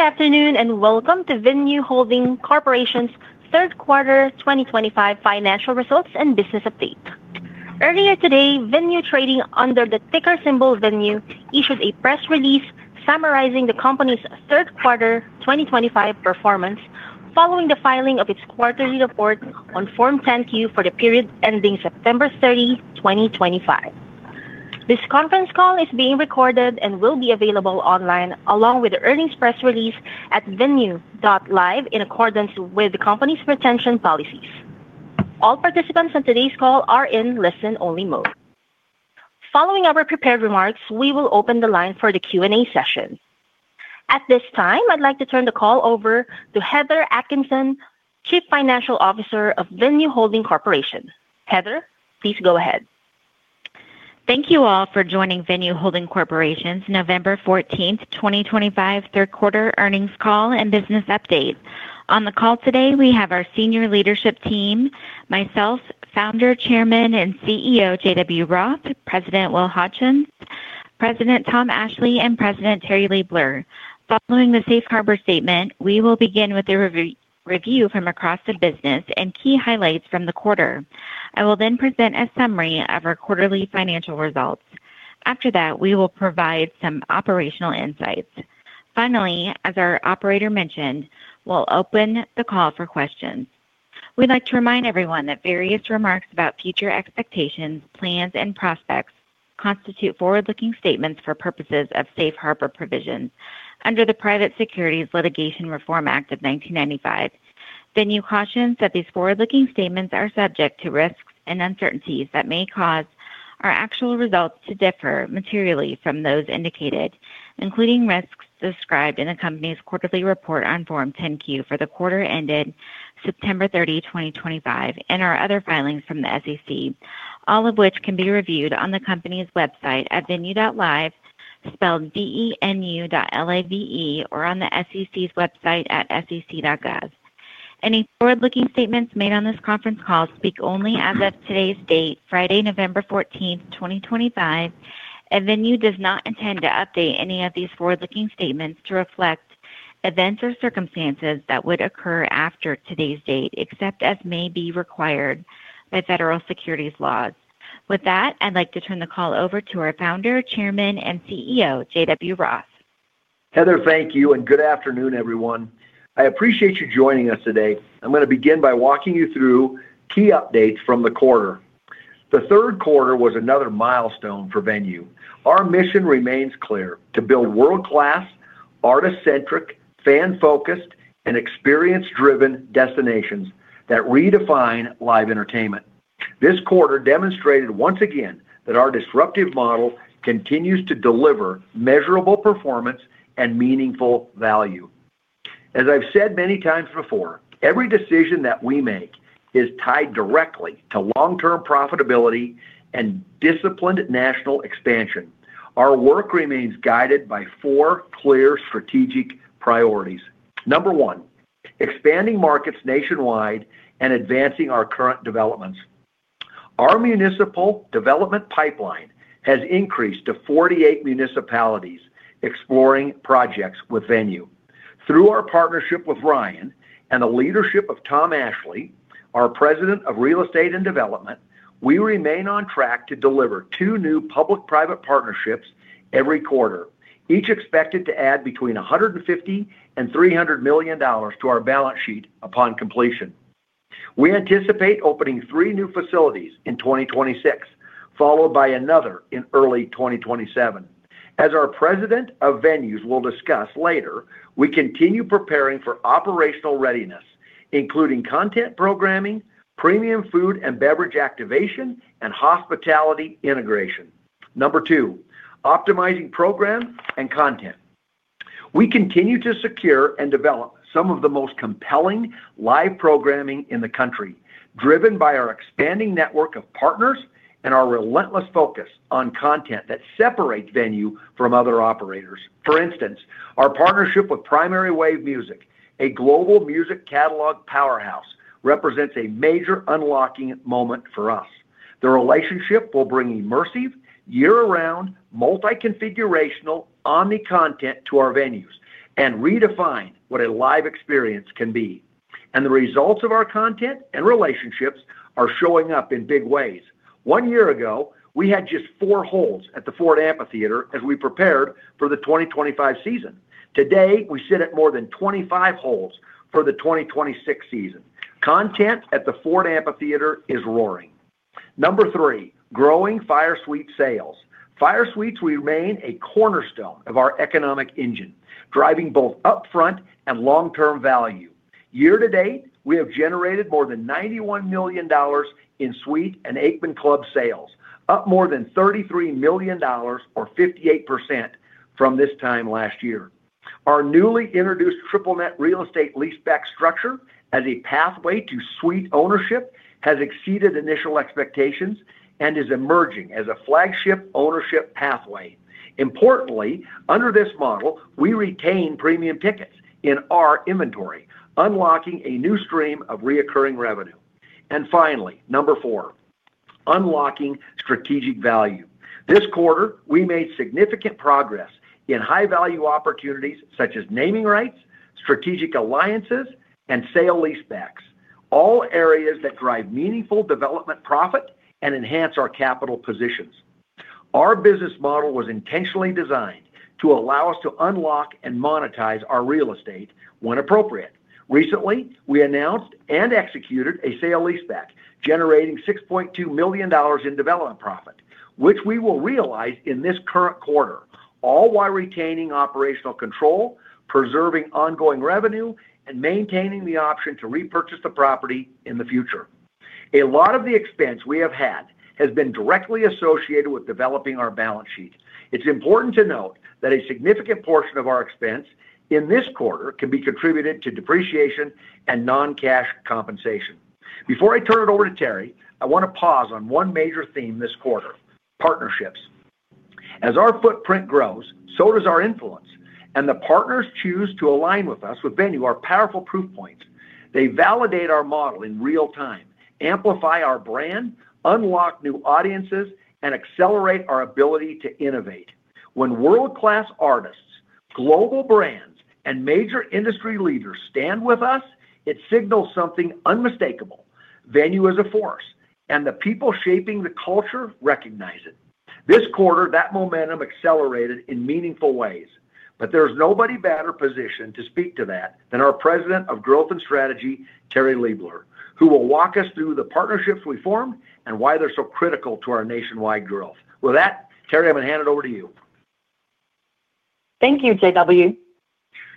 Good afternoon and welcome to Venu Holding Corporation's third quarter 2025 financial results and business update. Earlier today, Venu Trading, under the ticker symbol VENU, issued a press release summarizing the company's third quarter 2025 performance following the filing of its quarterly report on Form 10-Q for the period ending September 30, 2025. This conference call is being recorded and will be available online along with the earnings press release at venu.live in accordance with the company's retention policies. All participants in today's call are in listen-only mode. Following our prepared remarks, we will open the line for the Q&A session. At this time, I'd like to turn the call over to Heather Atkinson, Chief Financial Officer of Venu Holding Corporation. Heather, please go ahead. Thank you all for joining Venu Holding Corporation's November 14th, 2025, third quarter earnings call and business update. On the call today, we have our senior leadership team, myself, Founder, Chairman, and CEO JW Roth, President Will Hodgson, President Tom Ashley, and President Terri Liebler. Following the safe harbor statement, we will begin with a review from across the business and key highlights from the quarter. I will then present a summary of our quarterly financial results. After that, we will provide some operational insights. Finally, as our operator mentioned, we'll open the call for questions. We'd like to remind everyone that various remarks about future expectations, plans, and prospects constitute forward-looking statements for purposes of safe harbor provisions under the Private Securities Litigation Reform Act of 1995. Venu cautions that these forward-looking statements are subject to risks and uncertainties that may cause our actual results to differ materially from those indicated, including risks described in the company's quarterly report on Form 10-Q for the quarter ended September 30, 2025, and our other filings from the SEC, all of which can be reviewed on the company's website at venu.live, spelled V-E-N-U dot L-I-V-E, or on the SEC's website at sec.gov. Any forward-looking statements made on this conference call speak only as of today's date, Friday, November 14, 2025, and Venu does not intend to update any of these forward-looking statements to reflect events or circumstances that would occur after today's date, except as may be required by federal securities laws. With that, I'd like to turn the call over to our Founder, Chairman, and CEO JW Roth. Heather, thank you and good afternoon, everyone. I appreciate you joining us today. I'm going to begin by walking you through key updates from the quarter. The third quarter was another milestone for Venu. Our mission remains clear: to build world-class, artist-centric, fan-focused, and experience-driven destinations that redefine live entertainment. This quarter demonstrated once again that our disruptive model continues to deliver measurable performance and meaningful value. As I've said many times before, every decision that we make is tied directly to long-term profitability and disciplined national expansion. Our work remains guided by four clear strategic priorities. Number one, expanding markets nationwide and advancing our current developments. Our municipal development pipeline has increased to 48 municipalities exploring projects with Venu. Through our partnership with Ryan and the leadership of Tom Ashley, our President of Real Estate and Development, we remain on track to deliver two new public-private partnerships every quarter, each expected to add between $150 million and $300 million to our balance sheet upon completion. We anticipate opening three new facilities in 2026, followed by another in early 2027. As our President of Venu's will discuss later, we continue preparing for operational readiness, including content programming, premium food and beverage activation, and hospitality integration. Number two, optimizing program and content. We continue to secure and develop some of the most compelling live programming in the country, driven by our expanding network of partners and our relentless focus on content that separates Venu from other operators. For instance, our partnership with Primary Wave Music, a global music catalog powerhouse, represents a major unlocking moment for us. The relationship will bring immersive, year-round, multi-configurational, omni-content to our Venu's and redefine what a live experience can be. The results of our content and relationships are showing up in big ways. One year ago, we had just four holds at the Ford Amphitheater as we prepared for the 2025 season. Today, we sit at more than 25 holds for the 2026 season. Content at the Ford Amphitheater is roaring. Number three, growing Fire Suite sales. Fire Suites remain a cornerstone of our economic engine, driving both upfront and long-term value. Year to date, we have generated more than $91 million in suite and acreage club sales, up more than $33 million, or 58%, from this time last year. Our newly introduced triple-net real estate leaseback structure as a pathway to suite ownership has exceeded initial expectations and is emerging as a flagship ownership pathway. Importantly, under this model, we retain premium tickets in our inventory, unlocking a new stream of recurring revenue. Finally, number four, unlocking strategic value. This quarter, we made significant progress in high-value opportunities such as naming rights, strategic alliances, and sale-leasebacks, all areas that drive meaningful development profit and enhance our capital positions. Our business model was intentionally designed to allow us to unlock and monetize our real estate when appropriate. Recently, we announced and executed a sale-leaseback generating $6.2 million in development profit, which we will realize in this current quarter, all while retaining operational control, preserving ongoing revenue, and maintaining the option to repurchase the property in the future. A lot of the expense we have had has been directly associated with developing our balance sheet. It's important to note that a significant portion of our expense in this quarter can be contributed to depreciation and non-cash compensation. Before I turn it over to Terri, I want to pause on one major theme this quarter: partnerships. As our footprint grows, so does our influence, and the partners who choose to align with us with Venu are powerful proof points. They validate our model in real time, amplify our brand, unlock new audiences, and accelerate our ability to innovate. When world-class artists, global brands, and major industry leaders stand with us, it signals something unmistakable: Venu is a force, and the people shaping the culture recognize it. This quarter, that momentum accelerated in meaningful ways, but there's nobody better positioned to speak to that than our President of Growth and Strategy, Terri Liebler, who will walk us through the partnerships we formed and why they're so critical to our nationwide growth. With that, Terri, I'm going to hand it over to you. Thank you, JW.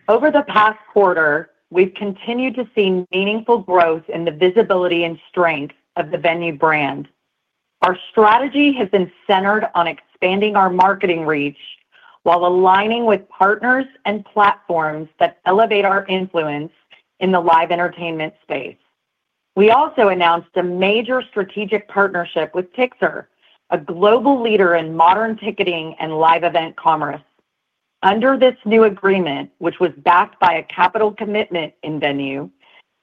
Over the past quarter, we've continued to see meaningful growth in the visibility and strength of the Venu brand. Our strategy has been centered on expanding our marketing reach while aligning with partners and platforms that elevate our influence in the live entertainment space. We also announced a major strategic partnership with Pixlr, a global leader in modern ticketing and live event commerce. Under this new agreement, which was backed by a capital commitment in Venu,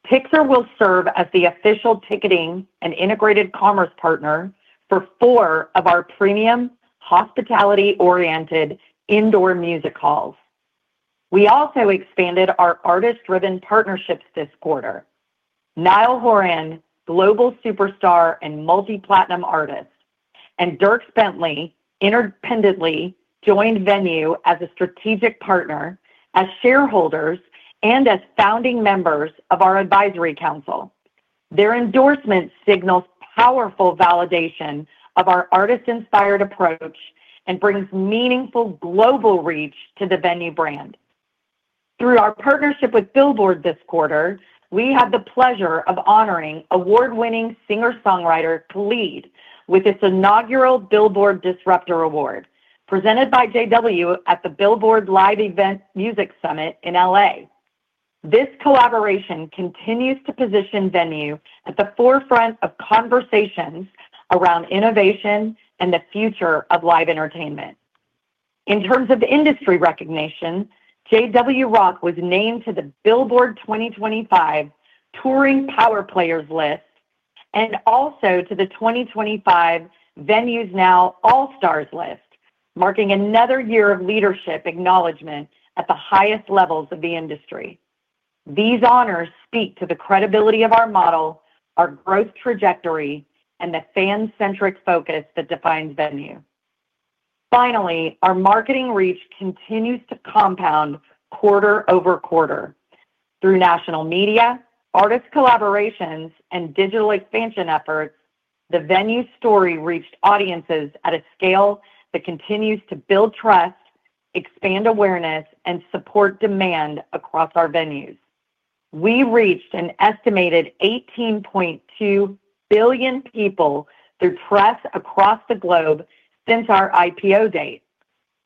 Pixlr will serve as the official ticketing and integrated commerce partner for four of our premium hospitality-oriented indoor music halls. We also expanded our artist-driven partnerships this quarter. Niall Horan, global superstar and multi-platinum artist, and Dierks Bentley independently joined Venu as a strategic partner, as shareholders, and as founding members of our advisory council. Their endorsement signals powerful validation of our artist-inspired approach and brings meaningful global reach to the Venu brand. Through our partnership with Billboard this quarter, we had the pleasure of honoring award-winning singer-songwriter Khalid with its inaugural Billboard Disruptor Award, presented by JW at the Billboard Live Event Music Summit in L.A. This collaboration continues to position Venu at the forefront of conversations around innovation and the future of live entertainment. In terms of industry recognition, JW Roth was named to the Billboard 2025 Touring Power Players list and also to the 2025 Venu's Now All-Stars list, marking another year of leadership acknowledgment at the highest levels of the industry. These honors speak to the credibility of our model, our growth trajectory, and the fan-centric focus that defines Venu. Finally, our marketing reach continues to compound quarter-over-quarter. Through national media, artist collaborations, and digital expansion efforts, the Venu story reached audiences at a scale that continues to build trust, expand awareness, and support demand across our Venu's. We reached an estimated 18.2 billion people through press across the globe since our IPO date,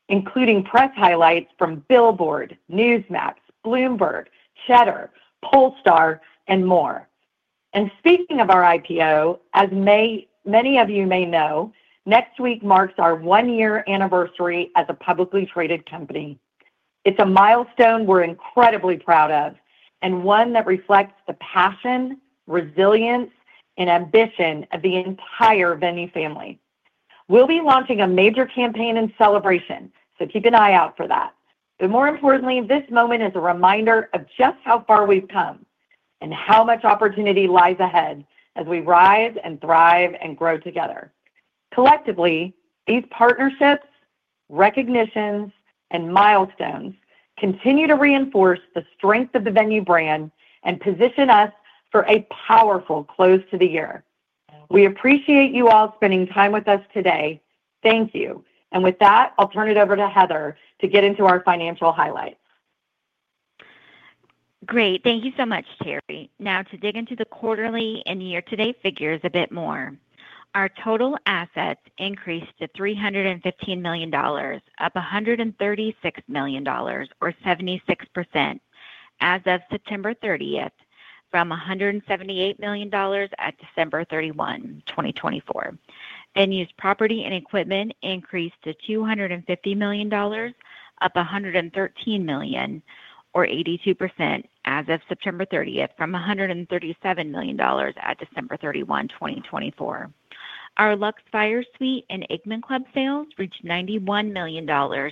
including press highlights from Billboard, Newsmax, Bloomberg, Cheddar, Pollstar, and more. As many of you may know, next week marks our one-year anniversary as a publicly traded company. It is a milestone we are incredibly proud of and one that reflects the passion, resilience, and ambition of the entire Venu family. We will be launching a major campaign and celebration, so keep an eye out for that. More importantly, this moment is a reminder of just how far we have come and how much opportunity lies ahead as we rise and thrive and grow together. Collectively, these partnerships, recognitions, and milestones continue to reinforce the strength of the Venu brand and position us for a powerful close to the year. We appreciate you all spending time with us today. Thank you. With that, I'll turn it over to Heather to get into our financial highlights. Great. Thank you so much, Terri. Now, to dig into the quarterly and year-to-date figures a bit more, our total assets increased to $315 million, up $136 million, or 76%, as of September 30th, from $178 million at December 31, 2024. Venu's property and equipment increased to $250 million, up $113 million, or 82%, as of September 30th, from $137 million at December 31, 2024. Our Luxe Fire Suite and Acme Club sales reached $91 million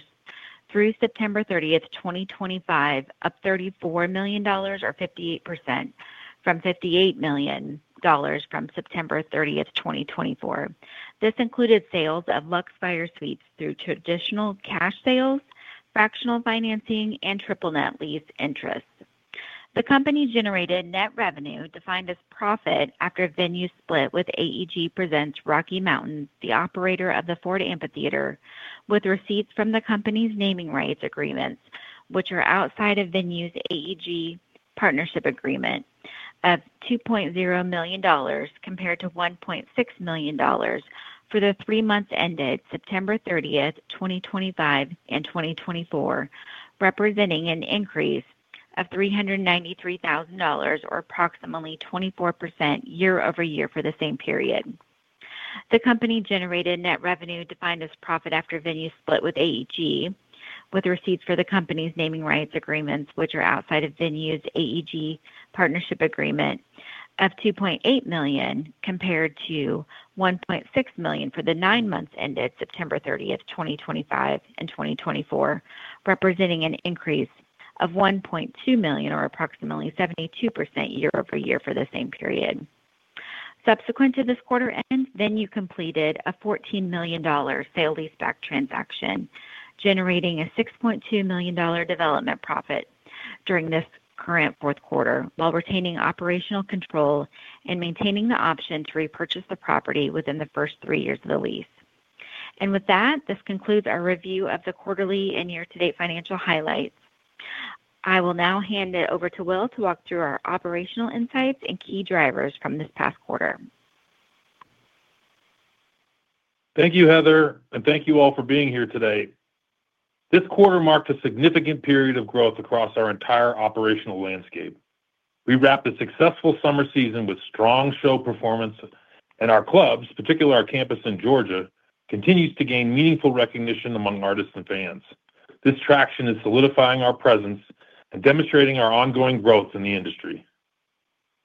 through September 30th, 2025, up $34 million, or 58%, from $58 million from September 30, 2024. This included sales of Luxe Fire Suites through traditional cash sales, fractional financing, and triple-net lease interest. The company generated net revenue defined as profit after Venu split with AEG Presents Rocky Mountains, the operator of the Ford Amphitheater, with receipts from the company's naming rights agreements, which are outside of Venu's AEG partnership agreement, of $2.0 million compared to $1.6 million for the three months ended September 30th, 2025, and 2024, representing an increase of $393,000, or approximately 24% year-over-year for the same period. The company generated net revenue defined as profit after Venu split with AEG, with receipts for the company's naming rights agreements, which are outside of Venu's AEG partnership agreement, of $2.8 million compared to $1.6 million for the nine months ended September 30th, 2025, and 2024, representing an increase of $1.2 million, or approximately 72% year-over-year for the same period. Subsequent to this quarter end, Venu completed a $14 million sale-leaseback transaction, generating a $6.2 million development profit during this current fourth quarter, while retaining operational control and maintaining the option to repurchase the property within the first three years of the lease. This concludes our review of the quarterly and year-to-date financial highlights. I will now hand it over to Will to walk through our operational insights and key drivers from this past quarter. Thank you, Heather, and thank you all for being here today. This quarter marked a significant period of growth across our entire operational landscape. We wrapped a successful summer season with strong show performance, and our clubs, particularly our campus in Georgia, continue to gain meaningful recognition among artists and fans. This traction is solidifying our presence and demonstrating our ongoing growth in the industry.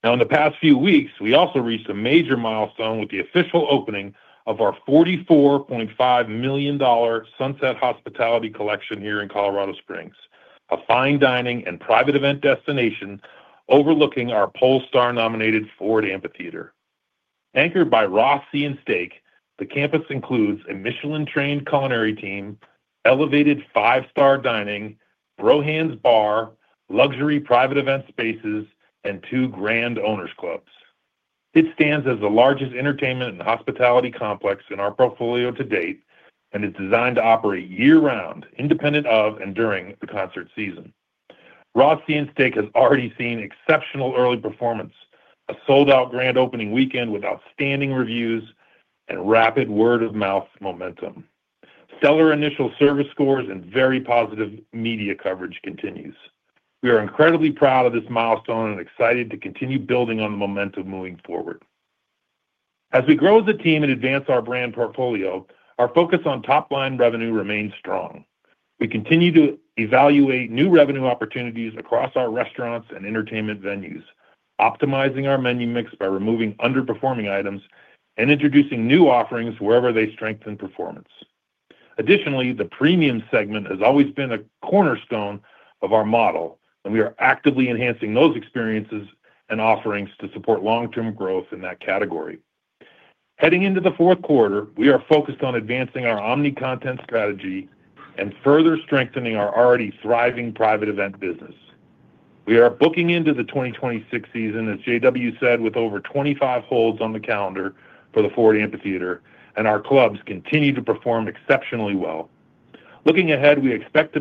Now, in the past few weeks, we also reached a major milestone with the official opening of our $44.5 million Sunset Hospitality Collection here in Colorado Springs, a fine dining and private event destination overlooking our Pollstar-nominated Ford Amphitheater. Anchored by Raw Sea and Steak, the campus includes a Michelin-trained culinary team, elevated five-star dining, Brogans Bar, luxury private event spaces, and two grand owners' clubs. It stands as the largest entertainment and hospitality complex in our portfolio to date and is designed to operate year-round, independent of and during the concert season. Raw Sea and Steak has already seen exceptional early performance, a sold-out grand opening weekend with outstanding reviews, and rapid word-of-mouth momentum. Stellar initial service scores and very positive media coverage continue. We are incredibly proud of this milestone and excited to continue building on the momentum moving forward. As we grow as a team and advance our brand portfolio, our focus on top-line revenue remains strong. We continue to evaluate new revenue opportunities across our restaurants and entertainment Venu's, optimizing our menu mix by removing underperforming items and introducing new offerings wherever they strengthen performance. Additionally, the premium segment has always been a cornerstone of our model, and we are actively enhancing those experiences and offerings to support long-term growth in that category. Heading into the fourth quarter, we are focused on advancing our omni-content strategy and further strengthening our already thriving private event business. We are booking into the 2026 season, as JW said, with over 25 holds on the calendar for the Ford Amphitheater, and our clubs continue to perform exceptionally well. Looking ahead, we expect to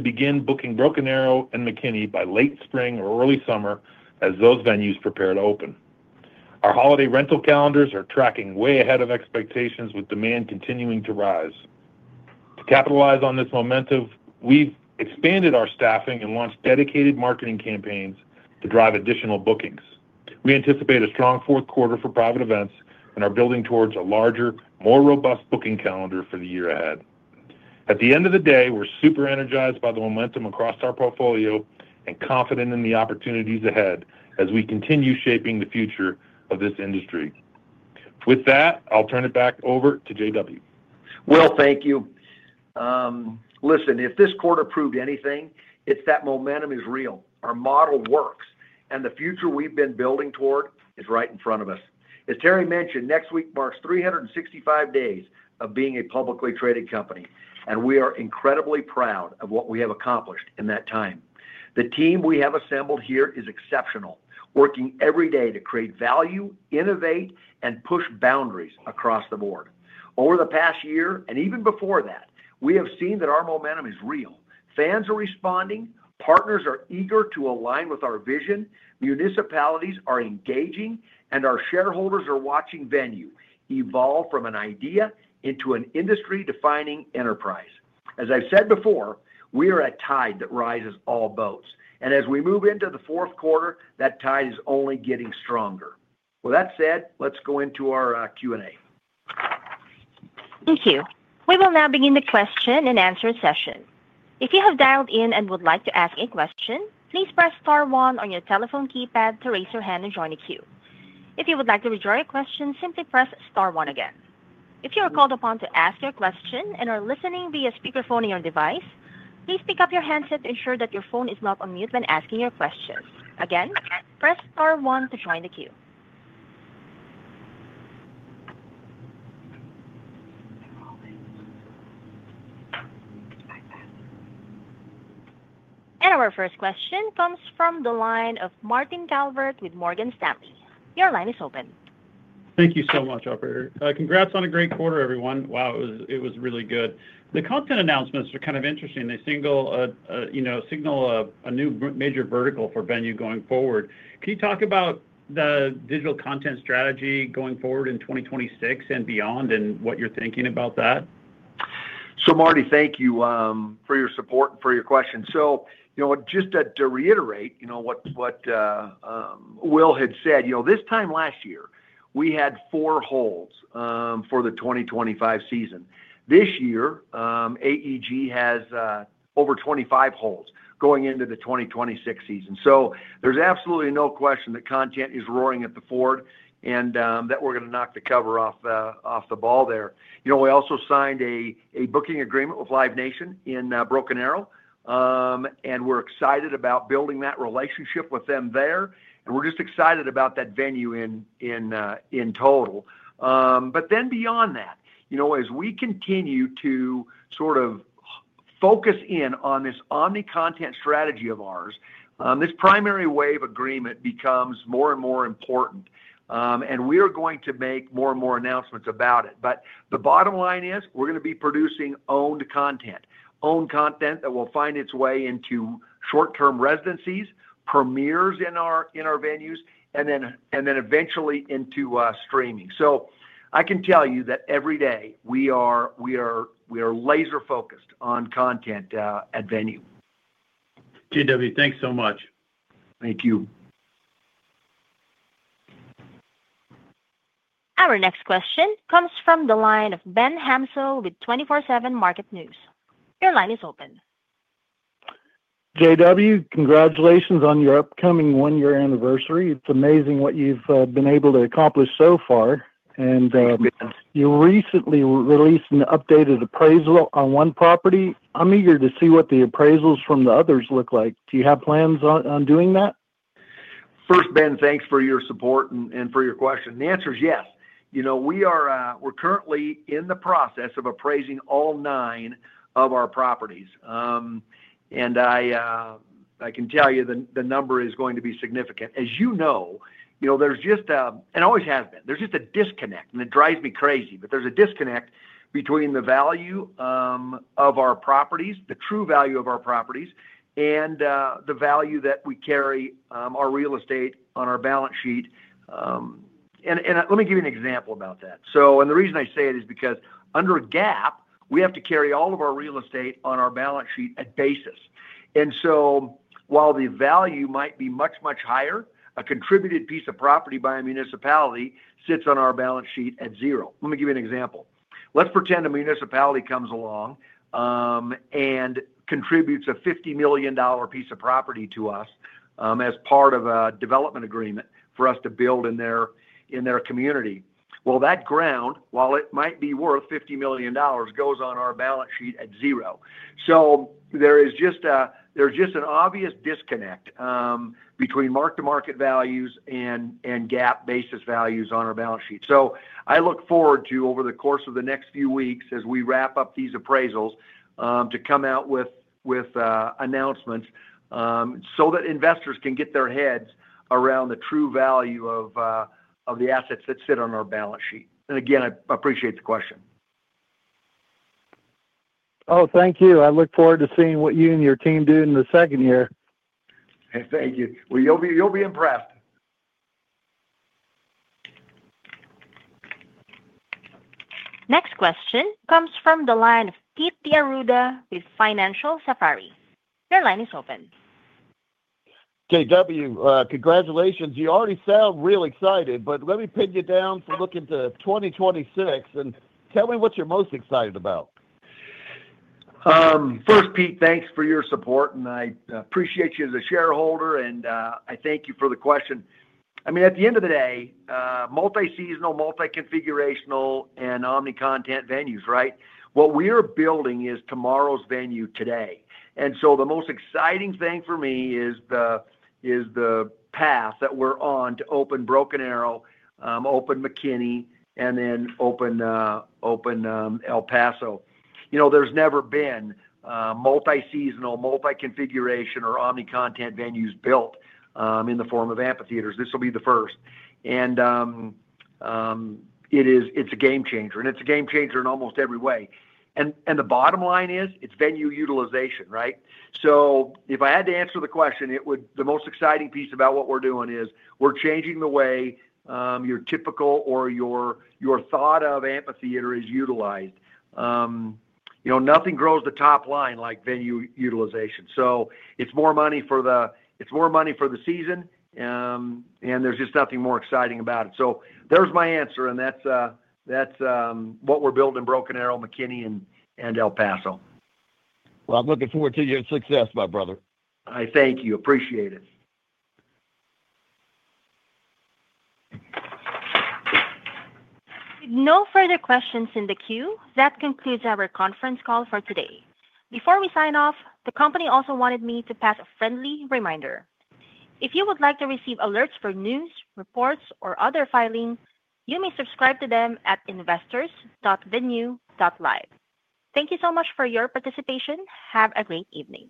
begin booking Broken Arrow and McKinney by late spring or early summer as those Venu's prepare to open. Our holiday rental calendars are tracking way ahead of expectations, with demand continuing to rise. To capitalize on this momentum, we've expanded our staffing and launched dedicated marketing campaigns to drive additional bookings. We anticipate a strong fourth quarter for private events and are building towards a larger, more robust booking calendar for the year ahead. At the end of the day, we're super energized by the momentum across our portfolio and confident in the opportunities ahead as we continue shaping the future of this industry. With that, I'll turn it back over to JW. Will, thank you. Listen, if this quarter proved anything, it's that momentum is real, our model works, and the future we've been building toward is right in front of us. As Terri mentioned, next week marks 365 days of being a publicly traded company, and we are incredibly proud of what we have accomplished in that time. The team we have assembled here is exceptional, working every day to create value, innovate, and push boundaries across the board. Over the past year and even before that, we have seen that our momentum is real. Fans are responding, partners are eager to align with our vision, municipalities are engaging, and our shareholders are watching Venu evolve from an idea into an industry-defining enterprise. As I've said before, we are a tide that rises all boats, and as we move into the fourth quarter, that tide is only getting stronger. With that said, let's go into our Q&A. Thank you. We will now begin the question and answer session. If you have dialed in and would like to ask a question, please press star one on your telephone keypad to raise your hand and join the queue. If you would like to withdraw your question, simply press star one again. If you are called upon to ask your question and are listening via speakerphone on your device, please pick up your handset to ensure that your phone is not on mute when asking your question. Again, press star one to join the queue. Our first question comes from the line of Martin Calvert with Morgan Stanley. Your line is open. Thank you so much, operator. Congrats on a great quarter, everyone. Wow, it was really good. The content announcements are kind of interesting. They signal a new major vertical for Venu going forward. Can you talk about the digital content strategy going forward in 2026 and beyond and what you're thinking about that? Marty, thank you for your support and for your question. Just to reiterate what Will had said, this time last year, we had four holds for the 2025 season. This year, AEG has over 25 holds going into the 2026 season. There is absolutely no question that content is roaring at the Ford and that we're going to knock the cover off the ball there. We also signed a booking agreement with Live Nation in Broken Arrow, and we're excited about building that relationship with them there, and we're just excited about that Venu in total. Beyond that, as we continue to sort of focus in on this omni-content strategy of ours, this Primary Wave agreement becomes more and more important, and we are going to make more and more announcements about it. The bottom line is we're going to be producing owned content, owned content that will find its way into short-term residencies, premieres in our Venu's, and then eventually into streaming. I can tell you that every day we are laser-focused on content at Venu. JW, thanks so much. Thank you. Our next question comes from the line of Ben Hansel with 24/7 Market News. Your line is open. JW, congratulations on your upcoming one-year anniversary. It's amazing what you've been able to accomplish so far. You recently released an updated appraisal on one property. I'm eager to see what the appraisals from the others look like. Do you have plans on doing that? First, Ben, thanks for your support and for your question. The answer is yes. We're currently in the process of appraising all nine of our properties, and I can tell you the number is going to be significant. As you know, there's just a—and always has been—there's just a disconnect, and it drives me crazy. There is a disconnect between the value of our properties, the true value of our properties, and the value that we carry, our real estate on our balance sheet. Let me give you an example about that. The reason I say it is because under GAAP, we have to carry all of our real estate on our balance sheet at basis. While the value might be much, much higher, a contributed piece of property by a municipality sits on our balance sheet at zero. Let me give you an example. Let's pretend a municipality comes along and contributes a $50 million piece of property to us as part of a development agreement for us to build in their community. That ground, while it might be worth $50 million, goes on our balance sheet at zero. There is just an obvious disconnect between mark-to-market values and GAAP basis values on our balance sheet. I look forward to, over the course of the next few weeks, as we wrap up these appraisals, coming out with announcements so that investors can get their heads around the true value of the assets that sit on our balance sheet. Again, I appreciate the question. Oh, thank you. I look forward to seeing what you and your team do in the second year. Thank you. You'll be impressed. Next question comes from the line of Pete D'Arruda with Financial Safari. Your line is open. JW, congratulations. You already sound real excited, but let me pin you down for looking to 2026, and tell me what you're most excited about. First, Pete, thanks for your support, and I appreciate you as a shareholder, and I thank you for the question. I mean, at the end of the day, multi-seasonal, multi-configurational, and omni-content Venu's, right? What we are building is tomorrow's Venu today. The most exciting thing for me is the path that we're on to open Broken Arrow, open McKinney, and then open El Paso. There's never been multi-seasonal, multi-configuration, or omni-content Venu's built in the form of amphitheaters. This will be the first. It's a game changer, and it's a game changer in almost every way. The bottom line is it's Venu utilization, right? If I had to answer the question, the most exciting piece about what we're doing is we're changing the way your typical or your thought of amphitheater is utilized. Nothing grows the top line like Venu utilization. It's more money for the season, and there's just nothing more exciting about it. There's my answer, and that's what we're building: Broken Arrow, McKinney, and El Paso. I'm looking forward to your success, my brother. I thank you. Appreciate it. No further questions in the queue. That concludes our conference call for today. Before we sign off, the company also wanted me to pass a friendly reminder. If you would like to receive alerts for news, reports, or other filing, you may subscribe to them at investors.venu.live. Thank you so much for your participation. Have a great evening.